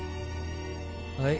はい。